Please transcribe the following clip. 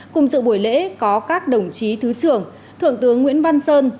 cùng dự buổi lễ có các đồng chí thứ trưởng thượng tướng nguyễn văn sơn